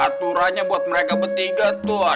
aturannya buat mereka bertiga tuh